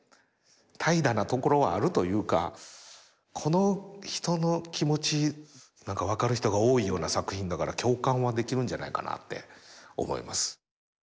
この人の気持ち何か分かる人が多いような作品だから共感はできるんじゃないかなって思います。